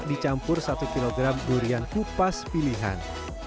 dicampur satu kg durian kupas pilihan